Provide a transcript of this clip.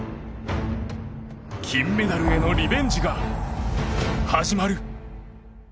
金メダルへのリベンジが始まる。